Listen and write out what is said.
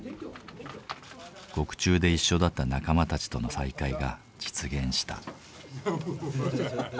獄中で一緒だった仲間たちとの再会が実現した。